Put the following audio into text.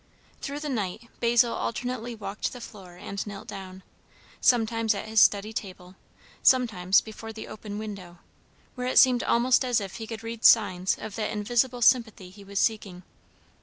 Through the night Basil alternately walked the floor and knelt down, sometimes at his study table, sometimes before the open window, where it seemed almost as if he could read signs of that invisible sympathy he was seeking.